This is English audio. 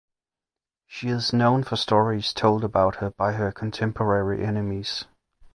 She is known for stories told about her by her contemporary enemies.